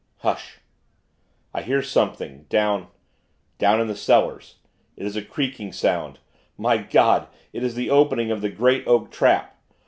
"Hush! I hear something, down down in the cellars. It is a creaking sound. My God, it is the opening of the great, oak trap.